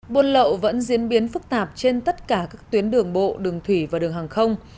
buôn lậu vẫn diễn biến phức tạp trên tất cả các tuyến đường bộ đường thủy và đường hàng không